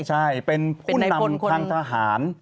ใช่เป็นผู้นำทางทหาร